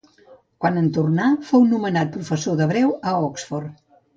Quan en tornà, fou nomenat professor d'hebreu a Oxford.